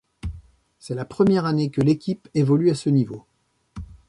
C'est la première année que l'équipe évolue à ce niveau.